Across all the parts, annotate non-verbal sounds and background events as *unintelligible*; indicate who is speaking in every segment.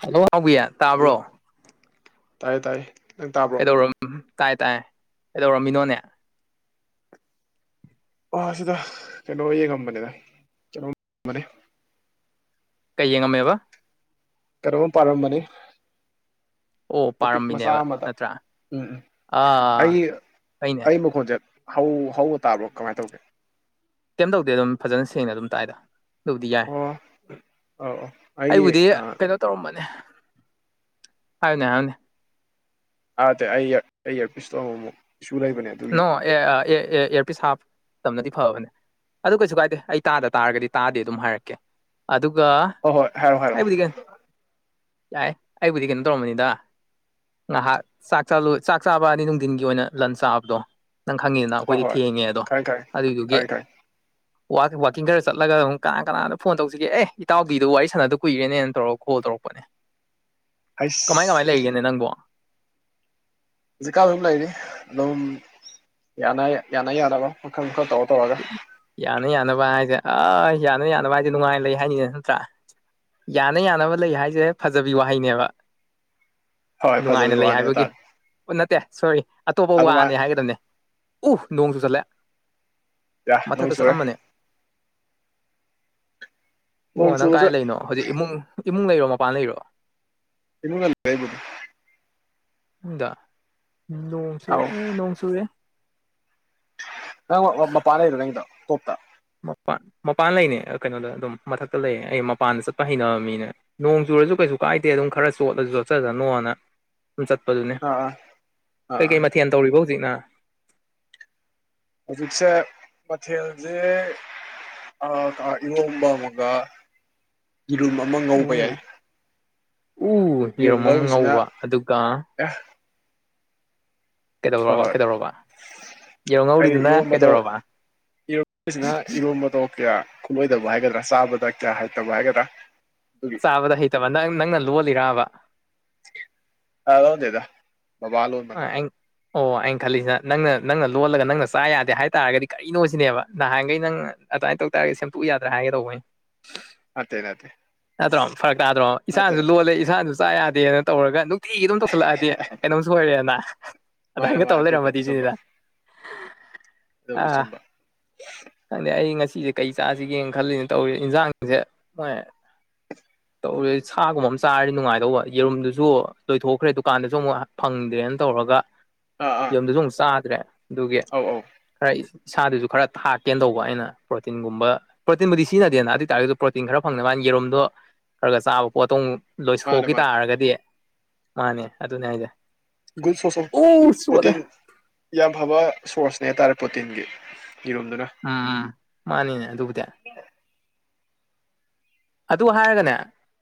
Speaker 1: hello ꯅꯥꯎꯕꯤ ꯇꯥꯕ꯭ꯔꯣ
Speaker 2: hello ꯇꯥꯏꯌꯦ ꯇꯥꯏꯌꯦ ꯅꯪ ꯇꯥꯕ꯭ꯔꯣ
Speaker 1: ꯀꯩꯗꯧꯔ ꯇꯥꯏ ꯇꯥꯏ ꯀꯩꯗꯧꯔꯝꯃꯤꯅꯣꯅꯦ
Speaker 2: ꯑꯥ ꯁꯤꯗ ꯀꯩꯅꯣ ꯌꯦꯉꯝꯕꯅꯦꯗ ꯀꯩꯅꯣꯝ ꯕꯅꯦ
Speaker 1: ꯀꯩ ꯌꯦꯡꯉꯝꯃꯦꯕ
Speaker 2: ꯀꯅꯣꯝ ꯄꯥꯔꯝꯕꯅꯤ
Speaker 1: ꯑꯣ
Speaker 2: ꯇꯣꯄꯤꯛ ꯃꯆꯥ
Speaker 1: ꯄꯥꯔꯝꯃꯤꯅꯦꯕ
Speaker 2: ꯑꯃꯗ
Speaker 1: ꯅꯠꯇ꯭ꯔꯥ
Speaker 2: ꯎꯝ ꯎꯝ
Speaker 1: ꯑꯥ
Speaker 2: ꯑꯩ
Speaker 1: ꯑꯩꯅꯦ
Speaker 2: ꯑꯩ ꯃꯈꯣꯟꯆꯦ ꯍꯧ ꯍꯧꯅ ꯇꯥꯕ꯭ꯔꯣ ꯀꯃꯥꯏ ꯇꯧꯒꯦ
Speaker 1: ꯀꯩꯝ ꯇꯧꯗꯦ ꯑꯗꯨꯝ ꯐꯖꯅ ꯁꯦꯡꯅ ꯑꯗꯨꯝ ꯇꯥꯏꯗ ꯑꯗꯨꯕꯨꯗꯤ ꯌꯥꯏ
Speaker 2: ꯑꯣ ꯑꯧ ꯑꯧ ꯑꯩꯒꯤ
Speaker 1: ꯑꯩꯕꯨꯗꯤ ꯀꯩꯅꯣ ꯇꯧꯔꯝꯕꯅꯦ ꯍꯥꯏꯎꯅꯦ ꯍꯥꯏꯎꯅꯦ
Speaker 2: ꯑ꯭ꯔꯇꯦ ꯑꯩ ꯑꯦꯔ ꯑꯩ ꯑ꯭ꯦꯔꯄꯤꯁꯇꯣ ꯑꯃꯨꯃꯨꯛ
Speaker 1: ꯅꯣ ꯑꯦ ꯑꯥ ꯑꯦ ꯑꯦ ꯏꯌꯔꯄꯤꯁ ꯍꯥꯞ ꯇꯝꯅꯗꯤ ꯐꯕꯅꯦ ꯑꯗꯨ ꯀꯩꯁꯨ ꯀꯥꯏꯗꯦ ꯑꯩ ꯇꯥꯗ ꯇꯥꯔꯒꯗꯤ ꯇꯥꯗꯦ ꯑꯗꯨꯝ ꯍꯥꯏꯔꯛꯀꯦ ꯑꯗꯨ
Speaker 2: ꯍꯣ ꯍꯣꯏ ꯍꯥꯏꯔꯣ ꯍꯥꯏꯔꯣ
Speaker 1: ꯌꯥꯏ ꯑꯩꯕꯨꯗꯤ ꯀꯩꯅꯣ ꯇꯧꯔꯝꯕꯅꯤꯗ ꯉꯍꯥꯛ ꯆꯥꯛ ꯆꯥ ꯂꯣ ꯆꯥꯛ ꯆꯥꯕ ꯑꯗꯤ ꯅꯨꯡꯊꯤꯟꯒꯤ ꯑꯣꯏꯅ ꯂꯟ ꯆꯥꯕ ꯗꯣ ꯅꯪ ꯈꯪꯉꯤꯗꯅ
Speaker 2: ꯍꯣꯏ
Speaker 1: ꯑꯩꯈꯣꯏꯗꯤ
Speaker 2: ꯍꯣꯏ
Speaker 1: ꯊꯦꯡꯉꯦ ꯑꯗꯣ
Speaker 2: ꯈꯪꯉꯦ ꯈꯪꯉꯦ
Speaker 1: ꯑꯗꯨꯏꯗꯨꯒꯤ
Speaker 2: ꯈꯪꯉꯦ ꯈꯪꯉꯦ
Speaker 1: ꯋꯥ ꯋꯥꯀꯤꯡ ꯈꯔ ꯆꯠꯂꯒ ꯑꯗꯨꯝ ꯀꯅꯥ ꯀꯅꯥꯗ ꯐꯣꯟ ꯇꯧꯁꯤꯒꯦ ꯑꯦ ꯏꯇꯥꯎꯕꯤꯗꯣ ꯋꯥꯔꯤ ꯁꯥꯟꯅꯗ ꯀꯨꯏꯔꯦꯅꯦꯅ ꯇꯧꯔꯒ ꯀꯣꯜ ꯇꯧꯔꯛꯄꯅꯦ ꯀꯃꯥꯏ ꯀꯃꯥꯏ
Speaker 2: ꯍꯩꯁ
Speaker 1: ꯂꯩꯔꯤꯒꯦꯅꯦ ꯅꯪꯕꯣ
Speaker 2: ꯍꯧꯖꯤꯛ ꯀꯥꯟ ꯑꯗꯨꯝ ꯂꯩꯔꯤ ꯑꯗꯨꯝ ꯌꯥꯅ ꯌ ꯌꯥꯅ ꯌꯥꯅꯕ ꯃꯈꯜ ꯃꯈꯜ ꯇꯧꯔ ꯇꯧꯔꯒ
Speaker 1: ꯌꯥꯅ ꯌꯥꯅꯕ ꯍꯥꯏꯁꯦ ꯑꯥ ꯌꯥꯅ ꯌꯥꯅꯕ ꯍꯥꯏꯁꯦ ꯅꯨꯡꯉꯥꯏ ꯂꯩ ꯍꯥꯏꯅꯤ ꯀꯩꯅꯣ ꯅꯠꯇ꯭ꯔꯥ ꯌꯥꯅ ꯌꯥꯅꯕ ꯂꯩ ꯍꯥꯏꯁꯦ ꯐꯖꯕꯤ ꯋꯥꯍꯩꯅꯦꯕ
Speaker 2: ꯍꯣꯏ
Speaker 1: ꯅꯨꯡꯉꯥꯏꯅ
Speaker 2: ꯐꯖꯕꯩ
Speaker 1: ꯂꯩ
Speaker 2: ꯋꯥꯅꯤ
Speaker 1: ꯍꯥꯏꯕꯒꯤ
Speaker 2: ꯍꯥꯏꯇꯥꯔꯦ
Speaker 1: ꯑꯣ ꯅꯠꯇꯦ ꯁꯣꯔꯤ ꯑꯇꯣꯞꯄ ꯋꯥꯅꯦ
Speaker 2: ꯑꯗꯨꯃꯥꯏꯅ
Speaker 1: ꯍꯥꯏꯒꯗꯝꯅꯦ ꯎ ꯅꯣꯡ ꯆꯨꯁꯜꯂꯦ
Speaker 2: ꯌꯥ ꯅꯣꯡ
Speaker 1: ꯃꯊꯛꯇ
Speaker 2: ꯆꯨꯔꯦ
Speaker 1: ꯆꯠꯂꯝꯕꯅꯦ ꯄꯨꯡꯉꯣ
Speaker 2: ꯅꯣꯡ
Speaker 1: ꯅꯪ
Speaker 2: ꯆꯨꯕꯁꯦ
Speaker 1: ꯀꯥꯏ ꯂꯩꯅꯣ ꯍꯧꯖꯤꯛ ꯏꯃꯨꯡ ꯏꯃꯨꯡ ꯂꯩꯔꯣ ꯃꯄꯥꯟ ꯂꯩꯔꯣ
Speaker 2: ꯏꯃꯨꯡ ꯂꯩꯌꯦ ꯑꯩꯕꯨꯗꯤ
Speaker 1: ꯏꯃꯨꯡꯗ ꯅꯣꯡ
Speaker 2: ꯑꯧ
Speaker 1: ꯆꯨꯔꯛꯑꯦ ꯅꯣꯡ ꯆꯨꯔꯦ
Speaker 2: ꯅꯪ ꯃꯄꯥꯟ ꯂꯩꯕ꯭ꯔꯣ ꯅꯪꯒꯤꯗꯣ ꯇꯣꯞꯇꯥ
Speaker 1: ꯃꯄꯥꯟ ꯃꯄꯥꯟ ꯂꯩꯅꯦ ꯀꯩꯅꯣꯗ ꯑꯗꯨꯝ ꯃꯊꯛꯇ ꯂꯩꯌꯦ ꯑꯩ ꯃꯄꯥꯟꯗ ꯆꯠꯄ ꯍꯩꯅꯕ ꯃꯤꯅꯦ ꯅꯣꯡꯖꯨ ꯆꯨꯔꯁꯨ ꯀꯩꯁꯨ ꯀꯥꯏꯗꯦ ꯑꯗꯨꯝ ꯈꯔ ꯆꯣꯠꯂꯁꯨ ꯆꯣꯠꯆꯁꯅꯣꯅ ꯁꯨꯝ ꯆꯠꯄꯗꯨꯅꯦ
Speaker 2: ꯑꯥ ꯑꯥ ꯑꯥ ꯑꯥ
Speaker 1: ꯀꯩꯀꯩ ꯃꯊꯦꯜ ꯇꯧꯔꯤꯕꯥ ꯍꯧꯖꯤꯛꯅ
Speaker 2: ꯍꯧꯖꯤꯛꯁꯦ ꯃꯊꯦꯜꯖꯦ ꯑ ꯏꯔꯣꯝꯕ ꯑꯃꯒ ꯌꯦꯔꯨꯝ ꯑꯃ ꯉꯧꯕ
Speaker 1: ꯎ
Speaker 2: ꯌꯥꯏ
Speaker 1: ꯎ ꯌꯦꯔꯨꯝ ꯑꯃ ꯉꯧꯕ ꯑꯗꯨꯒ
Speaker 2: ꯑꯦ
Speaker 1: ꯀꯩꯗꯧꯔꯕꯥ ꯀꯩꯗꯧꯔꯕꯥ
Speaker 2: ꯑꯩ ꯏꯔꯣꯝꯕꯗꯣ *unintelligible* *unintelligible* ꯉꯔꯥꯡ ꯏꯔꯣꯝꯕꯗꯣ ꯀꯌꯥ ꯈꯨꯂꯣꯏꯗꯕ ꯍꯥꯏꯒꯗ꯭ꯔꯥ ꯆꯥꯕꯗ ꯀꯌꯥ ꯍꯩꯇꯕ ꯍꯥꯏꯒꯗ꯭ꯔꯥ ꯑꯗꯨꯒꯤ
Speaker 1: ꯆꯥꯕꯗ ꯍꯩꯇꯕ ꯅꯪ ꯅꯪꯅ ꯂꯣꯜꯂꯤꯔꯥꯕ
Speaker 2: ꯑ ꯂꯣꯟꯗꯦꯗ ꯕꯥꯕꯥꯅ ꯂꯣꯟꯕꯅꯤ
Speaker 1: ꯑꯩ ꯑꯣ ꯑꯩꯅ ꯈꯜꯂꯤꯁꯤꯅ ꯅꯪꯅ ꯅꯪꯅ ꯂꯣꯜꯂꯒ ꯅꯪꯅ ꯆꯥ ꯌꯥꯗꯦ ꯍꯥꯏꯇꯥꯥꯔꯒꯗꯤ ꯀꯔꯤꯅꯣ ꯁꯤꯅꯦꯕ ꯅꯍꯥꯟꯈꯩ ꯅꯪꯅ ꯑꯗꯨꯃꯥꯏꯅ ꯇꯧ ꯇꯥꯔꯗꯤ ꯁꯦꯝꯗꯣꯛꯎ ꯌꯥꯗ꯭ꯔꯥ ꯍꯥꯏꯒꯦ ꯇꯧꯕ ꯑꯩꯅ
Speaker 2: ꯅꯠꯇꯦ ꯅꯠꯇꯦ
Speaker 1: ꯅꯠꯇ꯭ꯔꯣ ꯐꯔꯛ ꯇꯥꯗ꯭ꯔꯣ
Speaker 2: ꯅꯠꯇꯦ
Speaker 1: ꯏꯁꯥꯅꯁꯨ ꯂꯣꯜꯂꯦ ꯏꯁꯥꯅꯁꯨ ꯆꯥ ꯌꯥꯗꯦꯅ ꯇꯧꯔꯒ ꯅꯨꯡꯇꯤꯒꯤ ꯑꯗꯨꯝ ꯇꯧꯁꯜꯂꯛꯑꯗꯤ ꯀꯩꯅꯣꯝ ꯂꯣꯏꯔꯦꯅ
Speaker 2: ꯃꯥꯅꯦ
Speaker 1: ꯑꯗꯥꯏꯅꯒ
Speaker 2: ꯃꯥꯅꯦ
Speaker 1: ꯇꯩ
Speaker 2: ꯑꯗꯨꯕꯨꯗꯤ
Speaker 1: ꯂꯩꯔꯝꯃꯗꯤ
Speaker 2: ꯆꯨꯝꯕ
Speaker 1: ꯁꯤꯅꯤꯗ
Speaker 2: ꯑꯗꯨꯕꯨꯗꯤ
Speaker 1: ꯑꯥ
Speaker 2: ꯆꯨꯝꯕ
Speaker 1: ꯈꯪꯗꯦ ꯑꯩ ꯉꯁꯤꯁꯦ ꯀꯩ ꯆꯥꯁꯤꯒꯦꯅ ꯈꯜꯂꯤꯅꯦ ꯇꯧꯔꯤꯁꯦ ꯏꯟꯁꯥꯡꯁꯦ ꯍꯣꯏ ꯇꯧꯔꯤꯁꯦ ꯁꯥꯒꯨꯝꯕ ꯑꯃ ꯆꯥꯔꯗꯤ ꯅꯨꯡꯉꯥꯏꯗꯧꯕ ꯌꯦꯔꯨꯝꯗꯨꯁꯨ ꯂꯣꯏꯊꯣꯛꯈ꯭ꯔꯦ ꯗꯨꯀꯥꯟꯗꯁꯨ ꯑꯃꯨꯛ ꯐꯪꯗ꯭ꯔꯦꯅ ꯇꯧꯔꯒ
Speaker 2: ꯑꯥ ꯑꯥ
Speaker 1: ꯌꯦꯔꯨꯝꯗꯨꯁꯨ ꯑꯃꯨꯛ ꯆꯥꯗ꯭ꯔꯦ ꯑꯗꯨꯒꯤ
Speaker 2: ꯑꯧ ꯑꯧ
Speaker 1: ꯍꯥꯏꯔꯛꯏꯁꯦ ꯏꯁꯥꯗꯨꯁꯨ ꯈꯔ ꯊꯥꯛꯀꯦꯅ ꯇꯧꯕ ꯑꯩꯅ ꯄ꯭ꯔꯣꯇꯤꯟꯒꯨꯝꯕ ꯄ꯭ꯔꯣꯇꯤꯟꯕꯨꯗꯤ ꯁꯤꯖꯤꯟꯅꯗꯦꯅ ꯑꯗꯨ ꯑꯣꯏꯇꯥꯔꯒꯁꯨ ꯄ꯭ꯔꯣꯇꯤꯟ ꯈꯔ ꯐꯪꯅꯕ ꯃꯤ ꯌꯦꯔꯨꯝꯗꯣ ꯈꯔ ꯈꯔꯒ ꯆꯥꯕ ꯄꯣꯠꯇꯣ ꯑꯃꯨꯛ
Speaker 2: ꯃꯥꯅꯦ
Speaker 1: ꯂꯣꯏꯊꯣꯛꯈꯤ
Speaker 2: ꯃꯥꯅꯦ
Speaker 1: ꯇꯥꯔꯒꯗꯤ ꯃꯥꯅꯦ ꯑꯗꯨꯅꯦ ꯍꯥꯏꯁꯦ
Speaker 2: ꯒꯨꯗ
Speaker 1: ꯑꯣ
Speaker 2: ꯁꯣꯔꯁꯦꯁ
Speaker 1: ꯆꯣꯠꯂꯦ
Speaker 2: ꯄ꯭ꯔꯣꯇꯤꯟ ꯌꯥꯝ ꯐꯕ ꯁꯣꯔꯁꯅꯦ ꯍꯥꯏꯇꯥꯔꯦ ꯄ꯭ꯔꯣꯇꯤꯟꯒꯤ ꯌꯦꯔꯨꯝꯗꯨꯅ
Speaker 1: ꯑꯥ ꯃꯥꯅꯤꯅꯦ ꯑꯗꯨꯕꯨꯗꯤ ꯑꯗꯨ ꯍꯥꯏꯔꯒꯅꯦ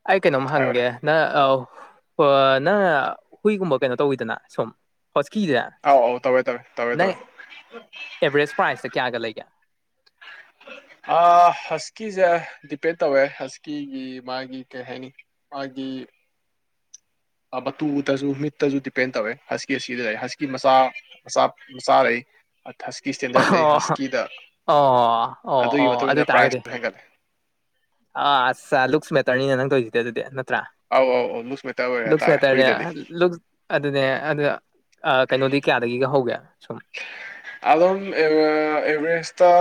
Speaker 1: ꯑꯩ ꯀꯩꯅꯣꯝ
Speaker 2: ꯍꯥꯏꯌꯣꯅꯦ
Speaker 1: ꯍꯪꯒꯦ ꯅꯪ ꯑꯧ ꯑꯣ ꯅꯪ ꯍꯨꯏꯒꯨꯝꯕ ꯀꯩꯅꯣ ꯇꯧꯋꯤꯗꯅ ꯁꯨꯝ ꯍꯣꯁꯀꯤꯁꯦ
Speaker 2: ꯑꯥꯎ ꯑꯥꯎ ꯇꯧꯋꯦ ꯇꯧꯋꯦ ꯇꯧꯋꯦ
Speaker 1: ꯅꯪ
Speaker 2: ꯇꯧꯋꯦ
Speaker 1: ꯑꯦꯚꯔꯦꯖ ꯄ꯭ꯔꯥꯏꯖꯇ ꯀꯌꯥꯒ ꯂꯩꯒꯦ
Speaker 2: ꯑ ꯍꯁꯀꯤ ꯖꯦ ꯗꯤꯞ ꯄ꯭ꯔꯤꯠ ꯇꯧꯋꯦ ꯍꯁꯀꯤꯒꯤ ꯃꯥꯒꯤ ꯀꯩ ꯍꯥꯏꯅꯤ ꯃꯥꯒꯤ ꯑ ꯃꯇꯨꯗꯁꯨ ꯃꯤꯠꯇꯁꯨ ꯗꯤꯄꯦꯟ ꯇꯧꯋꯦ ꯍꯁꯀꯤ ꯑꯁꯤꯗ ꯂꯩ ꯍꯁꯀꯤ ꯃꯆꯥ ꯃꯆꯥ ꯃꯆꯥ ꯂꯩ ꯊꯁꯀꯤ ꯁ꯭ꯇꯦꯟꯗꯔꯠ ꯂꯩ
Speaker 1: ꯑꯣ
Speaker 2: ꯍꯁꯀꯤꯗ
Speaker 1: ꯑꯣ ꯑꯣ
Speaker 2: ꯑꯗꯨꯒꯤ
Speaker 1: ꯑꯣ
Speaker 2: ꯃꯇꯨꯡ
Speaker 1: ꯑꯗꯨ
Speaker 2: ꯏꯟꯅ
Speaker 1: ꯇꯥꯔꯒꯗꯤ
Speaker 2: ꯄ꯭ꯔꯥꯏꯖꯁꯨ ꯍꯦꯟꯒꯠꯂꯦ
Speaker 1: ꯑ ꯁ ꯂꯨꯛꯁ ꯃꯦꯠ ꯌꯥꯔꯅꯤꯅꯦ ꯅꯪ ꯇꯧꯁꯤꯗꯤ ꯑꯗꯨꯗꯤ ꯅꯠꯇ꯭ꯔꯥ
Speaker 2: ꯑꯧ ꯑꯧ ꯑꯧ ꯂꯨꯖ ꯃꯦꯇꯔ ꯑꯣꯏꯔꯦ ꯍꯥꯏꯇꯥꯔꯦ
Speaker 1: ꯂꯨꯛꯁꯁ꯭ꯋꯦꯇꯔꯅꯦꯕ
Speaker 2: ꯍꯨꯏꯗꯗꯤ
Speaker 1: ꯂꯨꯛꯁ ꯑꯗꯨꯅꯦꯕ ꯅꯪ ꯑꯗꯨ ꯑꯥ ꯀꯩꯅꯣꯗꯤ ꯀꯌꯥꯗꯒꯤꯒ ꯍꯧꯒꯦ ꯁꯨꯝ
Speaker 2: ꯑꯥ ꯑꯦꯕꯔꯦꯁꯇꯥ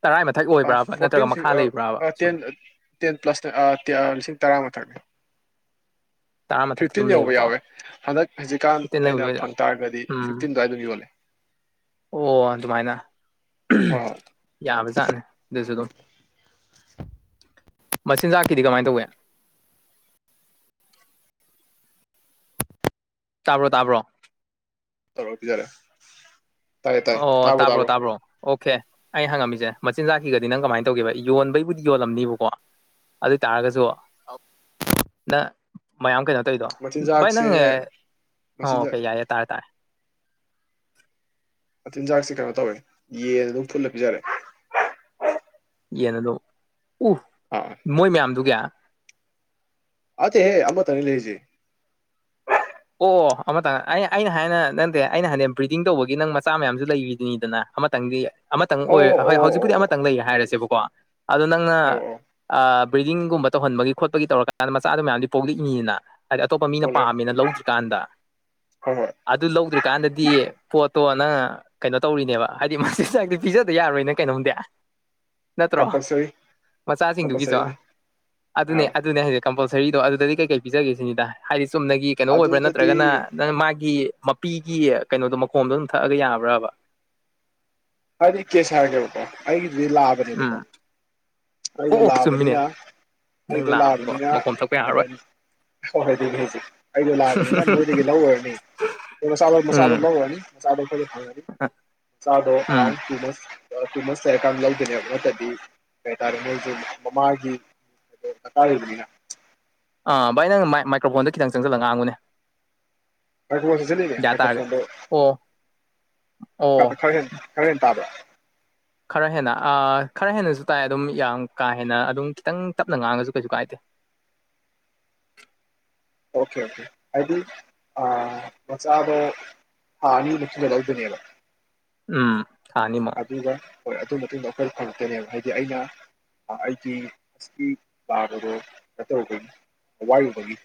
Speaker 1: ꯇꯔꯥꯏ ꯃꯊꯛ
Speaker 2: ꯑꯁ
Speaker 1: ꯑꯣꯏꯕ꯭ꯔꯕ ꯅꯠꯇ꯭ꯔꯒ
Speaker 2: ꯐꯣꯔꯇꯤꯟ ꯁꯤꯛ
Speaker 1: ꯃꯈꯥ ꯂꯩꯕ꯭ꯔꯕ
Speaker 2: ꯑꯛ
Speaker 1: ꯁꯨꯝ
Speaker 2: ꯇꯦꯟ ꯇꯦꯟ ꯄ꯭ꯂꯁꯅꯦ ꯑꯥ ꯑꯥ ꯂꯤꯁꯤꯡ ꯇꯔꯥ ꯃꯊꯛ
Speaker 1: ꯇꯔꯥ ꯃꯊꯛꯇ ꯑꯗꯨꯝ
Speaker 2: ꯐꯤꯐꯇꯤꯟ ꯌꯧꯕ
Speaker 1: ꯂꯩꯌꯦꯕꯀꯣ
Speaker 2: ꯌꯥꯎꯋꯦ ꯍꯟꯗꯛ ꯍꯧꯖꯤꯛꯀꯥꯟ
Speaker 1: ꯐꯤꯞꯇꯤꯟ
Speaker 2: ꯑꯩꯅ
Speaker 1: ꯂꯩꯕ
Speaker 2: ꯐꯪꯇꯥꯔꯒꯗꯤ
Speaker 1: ꯎꯝ
Speaker 2: ꯐꯤꯐꯇꯤꯟꯗꯨꯋꯥꯏꯗ ꯑꯗꯨꯝ ꯌꯣꯜꯂꯦ
Speaker 1: ꯑꯣ ꯑꯗꯨꯃꯥꯏꯅ
Speaker 2: ꯍꯣꯏ ꯍꯣꯏ
Speaker 1: ꯌꯥꯕꯖꯥꯠꯅꯦ ꯑꯗꯨꯁꯨ ꯑꯗꯨꯝ ꯃꯆꯤꯟꯖꯥꯛꯀꯤꯗꯤ ꯀꯃꯥꯏ ꯇꯧꯋꯤ *inaudible* ꯇꯥꯕ꯭ꯔꯣ ꯇꯥꯕ꯭ꯔꯣ
Speaker 2: ꯇꯨꯔꯛꯇ꯭ꯔꯤꯖꯥꯠꯔꯥ
Speaker 1: ꯑꯣ ꯇꯥꯕ꯭ꯔꯣ ꯇꯥꯕ꯭ꯔꯣ ꯑꯣꯀꯦ ꯑꯩꯅ ꯍꯪꯉꯝꯃꯤꯁꯦ ꯃꯆꯤꯟꯖꯥꯛꯀꯤꯒꯗꯤ ꯅꯪ ꯀꯃꯥꯏꯅ ꯇꯧꯒꯦ ꯌꯣꯟꯕꯩꯕꯨꯗꯤ ꯌꯣꯜꯂꯝꯅꯤꯕꯀꯣ ꯑꯗꯨꯏ ꯇꯥꯔꯒꯁꯨꯨ
Speaker 2: ꯑ *unintelligible*
Speaker 1: ꯅꯪ ꯃꯌꯥꯝ ꯀꯩꯅꯣ ꯇꯧꯔꯤꯗꯣ ꯚꯥꯏ
Speaker 2: ꯃꯆꯤꯟꯖꯥꯛꯁꯦ
Speaker 1: ꯅꯪ ꯑꯣ
Speaker 2: ꯃꯆꯤꯟꯖꯥꯛ
Speaker 1: ꯀꯩ ꯌꯥꯔꯦ ꯌꯥꯔꯦ ꯇꯥꯔꯦ ꯇꯥꯔꯦ
Speaker 2: ꯃꯆꯤꯟꯖꯥꯛꯁꯦ ꯀꯩꯅꯣ ꯇꯧꯋꯦ ꯌꯦꯟ ꯑꯗꯨꯝ ꯐꯨꯠꯂ ꯄꯤꯖꯔꯦ
Speaker 1: ꯌꯦꯟꯗꯣ ꯎꯍ
Speaker 2: ꯑꯥ
Speaker 1: ꯃꯣꯏ ꯃꯌꯥꯝꯗꯨꯒꯤ
Speaker 2: ꯅꯠꯇꯦꯍꯦ ꯑꯃꯇꯪꯅꯤ ꯂꯩꯔꯤꯁꯦ
Speaker 1: ꯑꯣ ꯑꯃꯇꯪ ꯑ ꯑꯩꯅ ꯍꯥꯏꯅ ꯅꯪꯗꯦ ꯑꯩꯅ ꯍꯟꯗꯡ ꯕ꯭ꯔꯤꯗꯤꯡ ꯇꯧꯕꯒꯤ ꯅꯪ ꯃꯆꯥ ꯃꯌꯥꯝꯁꯨ ꯂꯩꯔꯤꯗꯨꯅꯤꯗꯅ ꯑꯃꯇꯪꯗꯤ ꯑꯃꯇꯪ
Speaker 2: ꯑꯣ
Speaker 1: ꯑꯣꯏ ꯍꯣꯏ
Speaker 2: ꯑꯣ ꯑꯣ
Speaker 1: ꯍꯧꯖꯤꯛꯄꯨꯗꯤ ꯑꯃꯇꯪ
Speaker 2: ꯑꯣ
Speaker 1: ꯂꯩ ꯍꯥꯏꯔꯁꯦꯕꯀꯣ ꯑꯗꯣ ꯅꯪꯅ
Speaker 2: ꯑꯣ
Speaker 1: ꯑꯥ ꯕ꯭ꯔꯤꯗꯤꯡꯒꯨꯝꯕ ꯇꯧꯍꯟꯕꯒꯤ ꯈꯣꯠꯄꯒꯤ ꯇꯧꯔꯀꯥꯟꯗ ꯃꯆꯥꯗꯨꯣ ꯃꯌꯥꯝꯗꯤ ꯄꯣꯛꯂꯛꯏꯅꯤꯗꯅ ꯍꯥꯏꯗꯤ ꯑꯇꯣꯞꯄ ꯃꯤꯅ
Speaker 2: ꯑꯣꯜꯂꯛꯑꯦ
Speaker 1: ꯄꯥꯝꯃꯤꯅ ꯂꯧꯗ꯭ꯔꯤꯀꯥꯟꯗ
Speaker 2: ꯍꯣꯏ ꯍꯣꯏ
Speaker 1: ꯑꯗꯨ ꯂꯧꯗ꯭ꯔꯤ ꯀꯥꯟꯗꯗꯤ ꯄꯣꯠꯇꯣ ꯅꯪ ꯀꯩꯅꯣ ꯇꯧꯔꯤꯅꯦꯕ ꯍꯥꯏꯗꯤ ꯃꯥ ꯆꯤꯟꯖꯥꯛꯇꯤ ꯄꯤꯖꯗ ꯌꯥꯔꯣꯏꯅ ꯅꯪ ꯀꯩꯅꯣꯝꯗꯤ ꯅꯠꯇ꯭ꯔꯣ
Speaker 2: ꯀꯝꯄꯜꯁꯔꯤ
Speaker 1: ꯃꯆꯥꯁꯤꯡꯗꯨꯒꯤꯁꯨ
Speaker 2: ꯀꯝꯄꯜꯁꯔꯤꯅꯦ
Speaker 1: ꯑꯗꯨꯅꯦ
Speaker 2: ꯍꯥꯏꯕ
Speaker 1: ꯑꯗꯨꯅꯦ ꯍꯥꯏꯖꯦ ꯀꯝꯄꯜꯁꯔꯤꯗꯣ ꯑꯗꯨꯗꯗꯤ ꯀꯩꯀꯩ ꯄꯤꯖꯒꯦ ꯁꯤꯅꯤꯗ ꯍꯥꯏꯗꯤ ꯆꯨꯝꯅꯒꯤ ꯀꯩꯅꯣ ꯑꯣꯏꯕ꯭ꯔꯥ
Speaker 2: ꯑꯗꯨꯗꯗꯤ
Speaker 1: ꯅꯠꯇ꯭ꯔꯒꯅ ꯅꯪ ꯃꯥꯒꯤ ꯃꯄꯤ ꯒꯤ ꯀꯩꯅꯣꯗꯣ ꯃꯈꯣꯝꯗꯣ ꯑꯗꯨꯝ ꯊꯛꯑꯒ ꯌꯥꯕ꯭ꯔꯕ
Speaker 2: ꯍꯥꯏꯗꯤ ꯀꯦꯁꯔ *unintelligible* ꯑꯩꯒꯤꯗꯨꯗꯤ ꯂꯥꯛꯑꯕꯅꯦꯕꯀꯣ
Speaker 1: ꯎꯝ ꯑꯣ
Speaker 2: ꯑꯩꯗꯣ
Speaker 1: ꯑꯣ ꯆꯨꯝꯃꯤꯅꯦ
Speaker 2: ꯂꯥꯕꯅꯤꯅ
Speaker 1: ꯅꯪ
Speaker 2: ꯑꯩꯗꯣ
Speaker 1: ꯂꯥꯛꯑꯕꯗꯤꯀꯣ
Speaker 2: ꯂꯥꯕꯅꯤꯅ
Speaker 1: ꯃꯈꯣꯝ ꯊꯛꯄ
Speaker 2: ꯀꯔꯤ
Speaker 1: ꯌꯥꯔꯔꯣꯏ
Speaker 2: ꯍꯥꯏꯅꯤ ꯍꯣꯏ ꯑꯗꯨꯅꯦ ꯍꯧꯖꯤꯛ ꯑꯩꯗꯣ ꯂꯥꯛꯑꯕꯅꯤꯅ ꯅꯣꯏꯗꯒꯤ ꯂꯧꯔꯨꯔꯅꯤ ꯑꯣꯛ ꯃꯆꯥꯗꯣ ꯃꯆꯥꯗꯣ
Speaker 1: ꯎꯝ
Speaker 2: ꯂꯧꯔꯨꯔꯅꯤ ꯃꯆꯥꯗꯣ ꯑꯩꯈꯣꯅ ꯐꯪꯂꯅꯤ ꯃꯆꯥꯗꯣ
Speaker 1: ꯎꯝ
Speaker 2: around two months two months ꯂꯩꯔꯀꯥꯟ ꯂꯧꯗꯣꯏꯅꯦꯕ ꯅꯠꯇꯗꯤ ꯀꯩ ꯍꯥꯏꯇꯥꯔꯦ ꯃꯣꯏꯁꯨ ꯃꯃꯥꯒꯤ ꯗꯔꯀꯥꯔꯂꯩꯕꯅꯤꯅ
Speaker 1: ꯑꯥ ꯚꯥꯏ ꯅꯪ ꯃꯥꯏꯀ꯭ꯔꯣꯐꯣꯟꯗ ꯈꯤꯇꯪ ꯆꯪꯁꯤꯜꯂꯒ ꯉꯥꯡꯉꯨꯅꯦ
Speaker 2: ꯃꯥꯀꯐꯣꯟ ꯁꯤ ꯂꯩꯔꯦ
Speaker 1: ꯌꯥ ꯇꯥꯔꯒꯗꯤ
Speaker 2: ꯃꯥꯏꯀꯐꯣꯟꯗꯣ
Speaker 1: ꯑꯣ ꯑꯣ
Speaker 2: *unintelligible* ꯈꯥꯔ ꯍꯦꯟꯅ ꯇꯥꯕ꯭ꯔ
Speaker 1: ꯈꯔ ꯍꯦꯟꯅ ꯑꯥ ꯈꯔ ꯍꯦꯟꯅꯁꯨ ꯇꯥꯏ ꯑꯗꯨꯝ ꯌꯥꯝ ꯀꯥ ꯍꯦꯟꯅ ꯑꯗꯨꯝ ꯈꯤꯇꯪ ꯇꯞꯅ ꯉꯥꯡꯉꯁꯨ ꯀꯩꯁꯨ ꯀꯥꯏꯗꯦ *inaudible*
Speaker 2: ꯑꯣꯀꯦ ꯑꯣꯀꯦ ꯍꯥꯏꯗꯤ ꯑ ꯃꯆꯥꯗꯣ ꯊꯥ ꯑꯅꯤꯃꯨꯛ ꯂꯩꯔ ꯂꯧꯗꯧꯅꯦꯕ
Speaker 1: ꯎꯝ ꯊꯥ ꯑꯅꯤꯃꯨꯛ
Speaker 2: ꯑꯗꯨꯒ ꯍꯣꯏ ꯑꯗꯨ ꯃꯇꯨꯡꯗ ꯑꯩꯈꯣꯏ ꯐꯉꯛꯇꯅꯦꯕ ꯍꯥꯏꯗꯤ ꯑꯩꯅ ꯑꯩꯒꯤ ꯑꯁꯤꯒꯤ ꯄꯥꯕꯗꯣ ꯀꯩꯅꯣ ꯇꯧꯔꯨꯕꯒꯤ ꯑꯋꯥꯏꯔꯨꯕꯒꯤ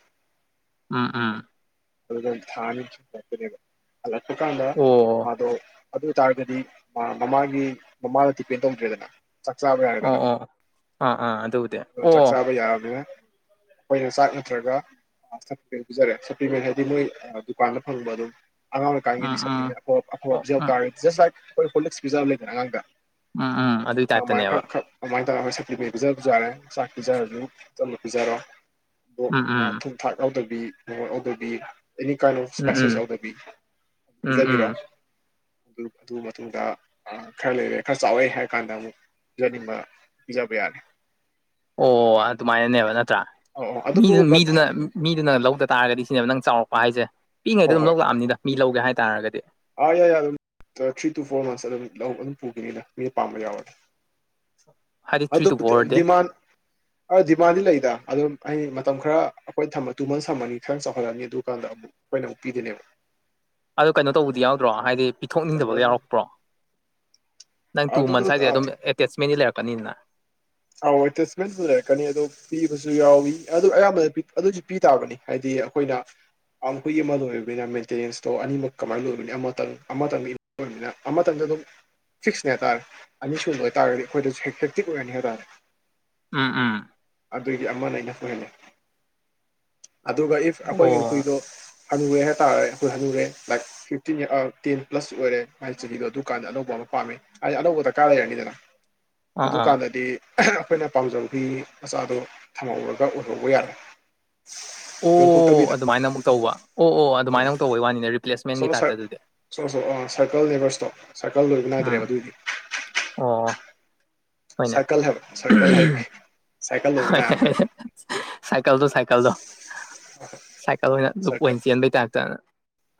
Speaker 1: ꯑꯝ ꯎꯝ
Speaker 2: ꯊꯥ ꯑꯅꯤ ꯍꯜꯂꯛꯄꯅꯦꯕ ꯍꯜꯂꯛꯄꯀꯥꯟꯗ
Speaker 1: ꯑꯣ
Speaker 2: ꯃꯥꯗꯣ ꯑꯗꯨ ꯑꯣꯏꯇꯥꯔꯒꯗꯤ ꯃꯃꯥꯒꯤ ꯃꯃꯥꯗ ꯗꯤꯄꯦꯟ ꯇꯧꯗ꯭ꯔꯦꯗꯅ ꯆꯥꯛ ꯆꯥꯕ
Speaker 1: ꯑꯣ
Speaker 2: ꯌꯥꯔꯦꯗꯅ
Speaker 1: ꯑꯣ ꯑꯥ ꯑꯥ ꯑꯗꯨꯕꯨꯗꯤ
Speaker 2: ꯑꯗꯨ
Speaker 1: ꯑꯣ
Speaker 2: ꯆꯥꯛ ꯆꯥꯕ ꯌꯥꯅꯤꯅ ꯑꯩꯈꯣꯏꯅ ꯆꯥꯛ ꯅꯠꯇ꯭ꯔꯒ ꯁꯦꯟ ꯄꯤꯖꯔꯦ ꯁꯄ꯭ꯂꯤꯃꯦꯟ ꯍꯥꯏꯗꯤ ꯃꯣꯏ ꯗꯨꯀꯥꯟꯗ ꯐꯪꯕ ꯑꯗꯨꯝ
Speaker 1: ꯎꯝ
Speaker 2: ꯑꯉꯥꯡꯑꯣꯏꯔꯤꯀꯥꯟꯒꯤꯗꯤ
Speaker 1: ꯎꯝ
Speaker 2: ꯁꯞꯄꯔꯤꯃꯦꯟ ꯑ ꯑꯐꯕ
Speaker 1: ꯑꯣ
Speaker 2: ꯄꯤꯖ ꯍꯧ
Speaker 1: ꯎꯝ
Speaker 2: ꯇꯥꯔꯗꯤ ꯖꯁ ꯂꯥꯏꯛ ꯑꯩꯈꯣꯏ ꯍꯣꯂꯤꯇꯤꯛꯁ ꯄꯤꯖꯕ ꯂꯩꯗꯅ ꯑꯉꯥꯡꯗ
Speaker 1: ꯎꯝ ꯎꯝ ꯑꯗꯨꯏ
Speaker 2: ꯑꯥꯏ ꯃꯥꯏ
Speaker 1: ꯇꯥꯏꯞꯇꯅꯦꯕ
Speaker 2: ꯈꯥꯔ ꯇꯥ ꯁꯦꯄ꯭ꯂꯤꯃꯦꯟ ꯄꯤꯖꯕꯁꯨ ꯌꯥꯔꯦ ꯆꯥꯛ ꯄꯤꯖꯔꯁꯨ ꯆꯠꯂ ꯄꯤꯖꯔꯣ ꯑꯣꯛ
Speaker 1: ꯎꯝ
Speaker 2: ꯑ
Speaker 1: ꯎꯝ
Speaker 2: ꯊꯨꯝ ꯊꯥꯛ ꯌꯥꯎꯗꯕꯤ ꯃꯣꯔꯣꯛ ꯌꯥꯎꯗꯕꯤ ꯑꯦꯅꯤ ꯀꯥꯏꯟ ꯑꯣꯐ ꯏꯁꯄꯥꯏꯁꯤꯁ
Speaker 1: ꯎꯝ
Speaker 2: ꯌꯥꯎꯗꯕꯤ
Speaker 1: ꯎꯝ ꯎꯝ
Speaker 2: ꯄꯤꯖꯕꯤꯔꯣ
Speaker 1: ꯎꯝ
Speaker 2: ꯑꯗꯨ ꯃꯇꯨꯡꯗ ꯈꯔ ꯂꯩꯔꯦ ꯈꯔ ꯆꯥꯎꯋꯦ ꯍꯥꯏꯔ ꯀꯥꯟꯗ ꯑꯃꯨꯛ ꯄꯤꯖꯅꯤꯡꯕ ꯄꯤꯖꯕ ꯌꯥꯔꯦ
Speaker 1: ꯑꯣ ꯑꯗꯨꯃꯥꯏꯅꯅꯦꯕ ꯅꯠꯇ꯭ꯔꯥ
Speaker 2: ꯑꯧ ꯑꯧ
Speaker 1: ꯃꯤꯗꯨ
Speaker 2: ꯑꯗꯨꯕꯨ ꯕꯠ
Speaker 1: ꯃꯤꯗꯨꯅ ꯃꯤꯗꯨꯅ ꯂꯧꯗ ꯇꯥꯔꯒꯗꯤ ꯁꯤꯅꯦꯕ ꯅꯪ ꯆꯥꯎꯔꯛꯄ ꯍꯥꯏꯁꯦ ꯄꯤꯏꯉꯩꯗ
Speaker 2: ꯍꯣꯏ
Speaker 1: ꯑꯗꯨꯝ
Speaker 2: ꯍꯣꯏ
Speaker 1: ꯂꯧ ꯂꯥꯛꯑꯅꯤꯅ ꯃꯤ ꯂꯧꯒꯦ ꯍꯥꯏꯇꯥꯥꯔꯒꯗꯤ
Speaker 2: ꯑꯥ ꯌꯥꯏ ꯌꯥꯔ ꯑꯗꯨꯝ ꯊ꯭ꯔꯤ ꯇꯨ ꯐꯣꯔ ꯃꯟꯁ ꯑꯗꯨꯝ ꯂꯧ ꯑꯗꯨꯝ ꯄꯨꯈꯤꯅꯤꯅ ꯃꯤꯅ ꯄꯥꯝꯕ ꯌꯥꯎꯔꯗꯤ
Speaker 1: ꯍꯥꯏꯗꯤ ꯊ꯭ꯔꯤ ꯇꯨ
Speaker 2: ꯑꯗꯨꯕꯨ
Speaker 1: ꯐꯣꯔꯗꯤ
Speaker 2: ꯗꯤꯃꯥꯟ ꯗꯤꯃꯥꯟꯗꯤ ꯂꯩꯗ ꯑꯗꯨꯝ ꯑꯩ ꯃꯇꯝ ꯈꯔ ꯑꯩꯈꯣꯏ ꯊꯃ ꯇꯨ ꯃꯟꯁ ꯊꯝꯃꯅꯤ ꯈꯔ ꯆꯥꯎꯍꯜꯂꯅꯤ ꯑꯗꯨꯀꯥꯟꯗ ꯑꯃꯨꯛ ꯑꯩꯈꯣꯏꯅ ꯑꯃꯨꯛ ꯄꯤꯗꯣꯏꯅꯦꯕ
Speaker 1: ꯑꯗꯨ ꯀꯩꯅꯣ ꯇꯧꯕꯗꯤ ꯌꯥꯎꯗ꯭ꯔꯣ ꯍꯥꯏꯗꯤ ꯄꯤꯊꯣꯛꯅꯤꯡꯗꯕꯒ ꯌꯥꯎꯔꯛꯄ꯭ꯔꯣ ꯅꯪ ꯇꯨ ꯃꯟꯁ
Speaker 2: ꯑꯗꯨꯗꯣ
Speaker 1: ꯍꯥꯏꯖꯦ ꯑꯗꯨꯝ ꯑꯦꯇꯦꯁꯃꯦꯟꯗꯤ ꯂꯩꯔꯛꯀꯅꯤꯗꯅ
Speaker 2: ꯑꯧ ꯑꯦꯇꯁꯃꯦꯟꯖꯨ ꯂꯩꯔꯛꯀꯅꯤ ꯑꯗꯣ ꯄꯤꯕꯖꯨ ꯌꯥꯎꯋꯤ ꯑꯗꯨ ꯑꯌꯥꯝꯕꯅ ꯑꯗꯨꯖꯨ ꯄꯤ ꯇꯥꯕꯅꯤ ꯍꯥꯏꯗꯤ ꯗꯤ ꯑꯈꯣꯏꯅ ꯑꯝ ꯍꯨꯏ ꯑꯃ ꯂꯣꯏꯔꯕꯅꯤꯅ ꯃꯦꯟꯇꯦꯅꯦꯟꯁꯇꯣ ꯑꯅꯤꯃꯛ ꯀꯃꯥꯏꯅ ꯂꯣꯏꯕꯅꯤ ꯑꯃꯇꯪ ꯑꯃꯇꯪꯅ ꯑꯃꯇꯪ ꯑꯗꯨꯝ ꯐꯤꯛꯁꯅꯦ ꯍꯥꯏꯇꯥꯔꯦ ꯑꯅꯤꯁꯨꯕ ꯑꯣꯏꯇꯔꯒꯗꯤ ꯑꯈꯣꯏꯗꯁꯨ ꯑꯦꯐꯦꯛꯇꯤꯞ ꯑꯣꯏꯔꯅꯤ ꯍꯥꯏꯇꯥꯔꯦ
Speaker 1: ꯎꯝ ꯎꯝ
Speaker 2: ꯑꯗꯨꯒꯤ ꯑꯃꯅ ꯏꯅꯞ ꯑꯣꯏꯍꯜꯂꯦ ꯑꯗꯨꯒ ꯏꯐ
Speaker 1: ꯑꯣ
Speaker 2: ꯑꯈꯣꯏꯒꯤ ꯍꯨꯏꯗꯣ ꯍꯜꯅꯨꯔꯦ ꯍꯥꯏꯇꯔꯦ ꯑꯈꯣꯏ ꯍꯟꯅꯨꯔꯦ ꯂꯥꯏꯛ ꯐꯤꯐꯇꯤꯟ ꯑꯥ ꯇꯦꯟ ꯄ꯭ꯂꯁ ꯑꯣꯏꯔꯦ ꯃꯥꯏ ꯆꯍꯤꯗꯣ ꯑꯗꯨ ꯀꯥꯟꯗ ꯑꯅꯧꯕ ꯄꯝꯃꯦ ꯍꯥꯏꯗꯤ ꯑꯅꯧꯕꯗ ꯗ꯭ꯔꯀꯥꯔ ꯂꯩꯔꯅꯤꯗꯅ
Speaker 1: ꯑꯥ
Speaker 2: ꯑꯗꯨ
Speaker 1: ꯑꯥ
Speaker 2: ꯀꯥꯟꯗꯗꯤ ꯑꯈꯣꯏꯅ ꯄꯥꯝꯖꯕ ꯍꯨꯏ ꯃꯆꯥꯗꯣ ꯊꯝꯍꯧꯔꯒ ꯑꯣꯏꯍꯧꯕ ꯌꯥꯔꯦ
Speaker 1: ꯑꯣ
Speaker 2: ꯌꯣꯟꯊꯣꯛꯇꯕꯤꯗ
Speaker 1: ꯑꯗꯨꯃꯥꯏꯅ ꯑꯃꯨꯛ ꯇꯧꯕ ꯑꯣ ꯑꯣ ꯑꯗꯨꯃꯥꯏꯅ ꯑꯃꯨꯛ ꯇꯧꯕꯩ ꯋꯥꯅꯤꯅꯦ ꯔꯤꯄ꯭ꯂꯦꯁꯃꯦꯟꯒꯤ
Speaker 2: ꯁꯣꯂꯣ
Speaker 1: ꯇꯥꯏꯞꯇ ꯑꯗꯨꯗꯤ
Speaker 2: ꯁꯥꯔꯀꯜ ꯂꯣꯏꯕ ꯅꯥꯏꯗ꯭ꯔꯦꯕ
Speaker 1: ꯎꯝ
Speaker 2: ꯑꯗꯨꯏꯗꯤ
Speaker 1: ꯑꯣ ꯍꯣꯏꯅꯦ
Speaker 2: ꯁꯔꯀꯜ ꯍꯥꯏꯕ ꯁꯔꯀꯜ
Speaker 1: ꯍꯣꯏꯅꯦ
Speaker 2: ꯍꯥꯏꯒꯦ
Speaker 1: *unintelligible* ꯁꯥꯏꯀꯜꯗꯣ ꯁꯥꯏꯀꯜꯗꯣ ꯁꯥꯏꯀꯜ ꯑꯣꯏꯅ ꯂꯨꯞ ꯑꯣꯏꯅ ꯆꯦꯟꯕꯩ ꯇꯥꯏꯞꯇ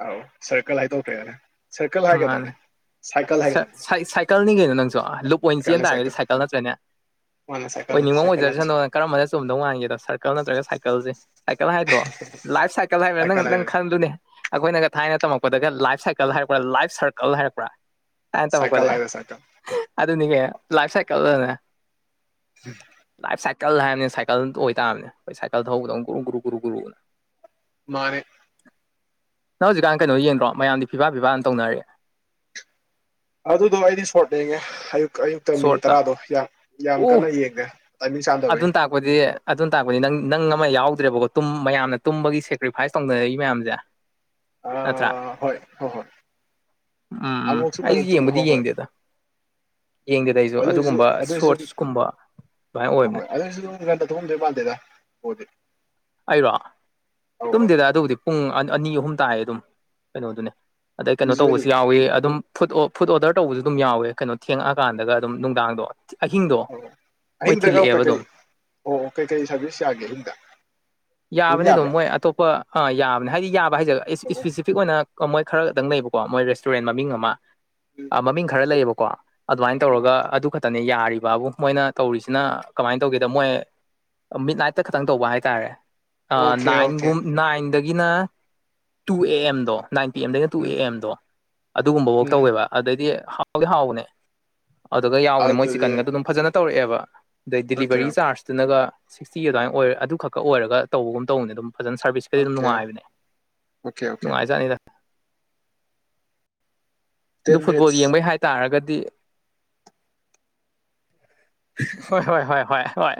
Speaker 2: ꯑꯥꯎ ꯁꯔꯀꯜ ꯍꯥꯏꯗꯣꯛꯈ꯭ꯔꯦꯅꯦ ꯁꯔꯀꯜ ꯍꯥꯏꯒꯗ꯭ꯔꯅꯦ
Speaker 1: ꯁꯥꯏ ꯁꯥꯏ ꯁꯥꯏꯀꯜ ꯅꯤ ꯀꯩꯅꯣ ꯅꯪꯁꯨ ꯂꯨꯞ ꯑꯣꯏꯅ ꯆꯦꯟ ꯇꯥꯔꯒꯗꯤ ꯁꯥꯏꯀꯜ ꯅꯠꯇ꯭ꯔꯅꯦ
Speaker 2: ꯃꯥꯅꯦ ꯁꯥꯏꯀꯜꯅꯦ
Speaker 1: ꯑꯣꯏꯅꯤꯡꯕꯃ
Speaker 2: ꯁꯥꯏꯀꯜ ꯅꯠꯇꯦ
Speaker 1: ꯑꯣꯏꯖꯔꯁꯅꯨ ꯀꯔꯝꯕꯅ ꯆꯨꯝꯕꯗꯧ ꯃꯥꯟꯒꯦꯗꯣ ꯁꯔꯀꯜ ꯅꯠꯇ꯭ꯔꯒ ꯁꯥꯏꯀꯜꯖꯦ ꯁꯥꯏꯀꯜ ꯍꯥꯏꯗ꯭ꯔꯣ ꯂꯥꯏꯐ ꯁꯥꯏꯀꯜ ꯍꯥꯏꯕ꯭ꯔ ꯅꯪ ꯅꯪ ꯈꯜꯂꯨꯅꯦ ꯑꯈꯣꯏꯅꯒ ꯊꯥꯏꯅ ꯇꯝꯃꯛꯄꯗꯒ ꯂꯥꯏꯐ ꯁꯥꯏꯀꯜ ꯍꯥꯏꯔꯛꯄ꯭ꯔꯥ ꯂꯥꯏꯐ ꯁꯔꯀꯜ ꯍꯥꯏꯔꯛꯄ꯭ꯔ ꯊꯥꯏꯅ
Speaker 2: ꯁꯥꯏꯀꯜ
Speaker 1: ꯇꯃꯛꯄꯗ
Speaker 2: ꯍꯥꯏꯌꯣ ꯁꯥꯏꯀꯜ
Speaker 1: ꯑꯗꯨꯅꯤꯀꯩꯅꯣ ꯂꯥꯏꯐ ꯁꯥꯏꯀꯜꯑꯅ ꯂꯥꯏꯐ ꯁꯥꯏ ꯀꯜ ꯍꯥꯏꯕꯅꯤꯅ ꯁꯥꯏꯀꯜ ꯑꯣꯏꯇꯝꯅꯦ ꯈꯣꯏ ꯁꯥꯏꯀꯜ ꯊꯧꯕꯗꯧꯅ ꯒꯨꯔꯨ ꯒꯨꯔꯨ ꯒꯨꯔꯨ
Speaker 2: ꯃꯥꯅꯤ
Speaker 1: ꯅꯪ ꯍꯧꯖꯤꯛꯀꯥꯟ ꯀꯦꯅꯣ ꯌꯦꯡꯗ꯭ꯔꯣ ꯃꯌꯥꯝꯗꯤ ꯐꯤꯐꯥ ꯐꯤꯐꯥꯅ ꯇꯧꯅꯔꯤ
Speaker 2: ꯑꯗꯨꯗꯣ ꯑꯩꯗꯤ ꯁꯄꯣꯔꯠ ꯌꯦꯡꯉꯦ ꯑꯌꯨꯛ ꯑꯌꯨꯛꯇ ꯃꯤꯅꯤꯠ
Speaker 1: ꯁꯣꯔꯠꯇ
Speaker 2: ꯇꯔꯥꯗꯣ ꯌꯥꯝ ꯌꯥꯝ
Speaker 1: ꯑꯣ
Speaker 2: ꯀꯟꯅ ꯌꯦꯡꯗꯦ ꯇꯥꯏꯃꯤꯡ ꯆꯥꯟꯗꯕꯩ
Speaker 1: ꯑꯗꯨꯅ ꯇꯥꯛꯄꯗꯤ ꯑꯗꯨꯅ ꯇꯥꯛꯄꯗꯤ ꯅꯪ ꯅꯪ ꯑꯃ ꯌꯥꯎꯗ꯭ꯔꯦꯕꯀꯣ ꯇꯨꯝ ꯃꯌꯥꯝꯅ ꯇꯨꯝꯕꯒꯤ ꯁꯦꯀ꯭ꯔꯤꯐꯥꯏꯁ ꯇꯧꯅꯔꯛꯏ ꯃꯌꯥꯝꯖꯦ
Speaker 2: ꯑꯥ ꯍꯣꯏ ꯍꯣꯏ ꯍꯣꯏ
Speaker 1: ꯎꯝ ꯎꯝ
Speaker 2: ꯑꯃꯨꯛꯁꯨ
Speaker 1: ꯑꯩꯖꯨ
Speaker 2: ꯉꯟꯅ ꯇꯨꯝ ꯍꯣꯏ
Speaker 1: ꯌꯦꯡꯕꯨꯗꯤ
Speaker 2: ꯍꯣꯏ
Speaker 1: ꯌꯦꯡꯗꯦꯗ ꯌꯦꯡꯗꯦꯗ ꯑꯩꯖꯨ
Speaker 2: ꯑꯗꯨꯏꯁꯨ
Speaker 1: ꯑꯗꯨꯒꯨꯝꯕ ꯁꯣꯔꯠꯁꯀꯨꯝꯕ ꯑꯗꯨꯃꯥꯏꯅ ꯑꯣ
Speaker 2: ꯍꯣꯏ ꯍꯣꯏ ꯑꯗꯣꯏꯖꯨ ꯉꯥꯟꯅ ꯇꯨꯝꯃꯝꯗꯣꯏ ꯃꯥꯟꯗꯦꯗ ꯄꯣꯗꯤ
Speaker 1: ꯑꯩꯔꯣ ꯇꯨꯝꯗꯦꯗ ꯑꯗꯨꯕꯨꯗꯤ ꯄꯨꯡ ꯑꯅꯤ ꯑꯍꯨꯝ ꯇꯥꯏ ꯑꯗꯨꯝ ꯀꯩꯅꯣꯗꯨꯅꯦ ꯑꯗꯩ ꯀꯩꯅꯣ ꯇꯧꯕꯁꯨ
Speaker 2: ꯌꯨꯖ꯭ꯋꯦꯜꯂꯤ
Speaker 1: ꯌꯥꯎꯋꯤ ꯑꯗꯨꯝ ꯐꯨꯠ ꯐꯨꯠ ꯑꯣꯗꯔ ꯇꯧꯕꯖꯨ ꯑꯗꯨꯝ ꯌꯥꯎꯋꯦ ꯀꯩꯅꯣ ꯊꯦꯡꯉꯛꯑꯀꯥꯟꯗꯒ ꯑꯗꯨꯝ ꯅꯨꯡꯗꯥꯡꯗꯣ ꯑꯍꯤꯡꯗꯣ
Speaker 2: ꯑꯣ
Speaker 1: ꯃꯣꯏ
Speaker 2: ꯑꯍꯤꯡꯗꯒ
Speaker 1: ꯊꯤꯜꯂꯛꯑꯦꯕ
Speaker 2: ꯀꯩꯀꯩ
Speaker 1: ꯑꯗꯨꯝ
Speaker 2: ꯑꯣ ꯀꯩꯀꯩ ꯁꯥꯔꯚꯤꯁ ꯌꯥꯒꯦ ꯑꯍꯤꯡꯗ
Speaker 1: ꯌꯥꯕꯅꯦ ꯑꯗꯨꯝ ꯃꯣꯏ ꯑꯇꯣꯞꯄ ꯑꯥ ꯌꯥꯕꯅꯦ ꯍꯥꯏꯗꯤ ꯌꯥꯕ ꯍꯥꯏꯖꯦ
Speaker 2: ꯑꯣ ꯑꯣ
Speaker 1: ꯏꯁꯄꯦꯁꯤꯐꯤꯛ ꯑꯣꯏꯅ ꯀꯃꯣꯏ ꯈꯔꯗꯪ ꯂꯩꯕꯀꯣ ꯃꯣꯏ ꯔꯦꯁꯇꯨꯔꯦꯟ ꯃꯃꯤꯡ ꯑꯃ
Speaker 2: ꯎꯝ
Speaker 1: ꯃꯃꯤꯡ ꯈꯔ ꯂꯩꯌꯦꯕꯀꯣ ꯑꯗꯨꯃꯥꯏꯅ
Speaker 2: ꯎꯝ
Speaker 1: ꯇꯧꯔꯒ ꯑꯗꯨ ꯈꯥ ꯇꯅꯦ ꯌꯥꯔꯤꯕꯕꯨ ꯃꯣꯏꯅ ꯇꯧꯔꯤꯁꯤꯅ ꯀꯃꯥꯏꯅ ꯇꯧꯒꯦꯗ ꯃꯣꯏ ꯃꯤꯠ ꯅꯥꯏꯠꯇ ꯈꯇꯪ ꯇꯧꯕ ꯍꯥꯏ ꯍꯥꯏꯇꯔꯦ
Speaker 2: ꯑꯣꯀꯦ ꯑꯣꯀꯦ
Speaker 1: ꯅꯥꯏꯟꯒꯨꯝ ꯅꯥꯏꯟꯗꯒꯤꯅ ꯇꯨ ꯑꯦ ꯑꯦꯝꯗꯣ ꯅꯥꯏꯟ ꯄꯤ ꯑꯦꯝꯗꯒꯤꯅ ꯇꯨ ꯄꯤ
Speaker 2: ꯎꯝ
Speaker 1: ꯑꯦꯝꯗꯣ ꯑꯗꯨꯒꯨꯝꯕ ꯕꯛ
Speaker 2: ꯎꯝ
Speaker 1: ꯇꯧꯋꯦꯕ ꯑꯗꯩꯗꯤ ꯍꯥꯎꯗꯤ ꯍꯥꯎꯕꯅꯦ ꯑꯗꯨꯒ ꯌꯥꯎꯕꯅꯦ ꯃꯣꯏ
Speaker 2: ꯑꯗꯨꯗꯤ
Speaker 1: ꯆꯤꯛꯀꯟꯒꯗꯨ ꯑꯗꯨꯝ ꯐꯖꯅ ꯇꯧꯔꯛꯑꯦꯕ ꯑꯗꯩ
Speaker 2: ꯑꯣꯀꯦ
Speaker 1: ꯗꯤꯂꯤꯚꯔꯤ
Speaker 2: ꯑꯣꯀꯦ
Speaker 1: ꯆꯥꯔꯖꯇꯨꯅꯒ ꯁꯤꯛꯁꯇꯤ ꯑꯗꯨꯃꯥꯏꯅ ꯑꯣꯏꯔ ꯑꯗꯨꯈꯛ ꯑꯣꯏꯔꯒ ꯇꯧꯕꯒꯨꯝ ꯇꯧꯅꯤ ꯑꯗꯨꯝ ꯐꯖꯅ ꯁꯥꯔꯚꯤꯁꯀꯗꯤ ꯑꯗꯨꯝ
Speaker 2: ꯑꯣꯀꯦ
Speaker 1: ꯅꯨꯡꯉꯥꯏꯕꯅꯦ-
Speaker 2: ꯑꯣꯀꯦ ꯑꯣꯀꯦ
Speaker 1: ꯅꯨꯡꯉꯥꯏꯖꯥꯠꯅꯤꯗ ꯑꯗꯨ
Speaker 2: ꯇꯦꯟ
Speaker 1: ꯐꯨꯠꯕꯣꯜ
Speaker 2: ꯃꯤꯅꯤꯠꯁ
Speaker 1: ꯌꯦꯡꯕꯩ ꯍꯥꯏ-ꯇꯥꯔꯒꯗꯤ ꯍꯣꯏ ꯍꯣꯏ ꯍꯣꯢ ꯍꯣꯢ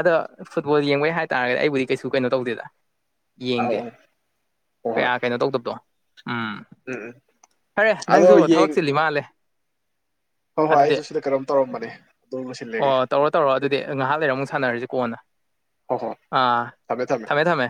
Speaker 1: ꯑꯗꯣ ꯐꯨꯠꯕꯣꯜ ꯌꯦꯡꯕꯩ ꯍꯥꯏꯇꯥꯥꯔꯒꯗꯤ ꯑꯩꯕꯨꯗꯤ ꯀꯩꯁꯨ ꯀꯩꯅꯣ ꯇꯧꯗꯦꯗ ꯌꯦꯡꯗꯦ
Speaker 2: ꯑꯧ
Speaker 1: ꯀꯌꯥ ꯀꯩꯅꯣ- ꯇꯧꯗꯕꯗꯣ ꯎꯝ
Speaker 2: ꯎꯪ ꯎꯪ
Speaker 1: ꯐꯔꯦ ꯅꯪꯖꯨ ꯊꯕꯛ ꯆꯤꯜꯂꯤ ꯃꯥꯜꯂꯦ INAUDIBLE
Speaker 2: ꯍꯣꯏ ꯍꯣꯏ
Speaker 1: ꯑꯗꯨꯗꯤ
Speaker 2: ꯑꯩꯁꯨ ꯁꯤꯗ ꯀꯩꯅꯣꯝ ꯇꯧꯔꯝꯕꯅꯦ ꯑꯗꯨ ꯂꯣꯏꯁꯤꯜꯂꯒꯦ
Speaker 1: ꯑꯣ ꯇꯧꯔꯣ ꯇꯧꯔꯣ ꯑꯗꯨꯗꯤ ꯉꯥꯏꯍꯥꯛ ꯂꯩꯔ ꯑꯃꯨꯛ ꯁꯥꯟꯅꯔꯖ ꯀꯣꯟꯅ
Speaker 2: ꯍꯣꯏ ꯍꯣꯏ
Speaker 1: ꯑꯥ
Speaker 2: ꯊꯝꯃꯦ ꯊꯝꯃꯦ
Speaker 1: ꯊꯝꯃꯦꯊꯝꯃꯦ